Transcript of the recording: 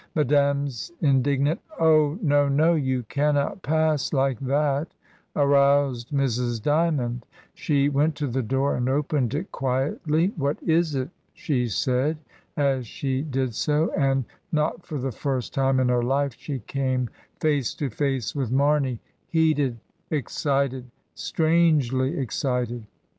Madame's indignant "Oh! no, no, you cannot pass like that," aroused Mrs. Dymond. She went to the door and opened it quietly. "What is it?" she said as she did so, and, not for the first time in her life, she came face to face with Mamey, heated, excited — strangely excited.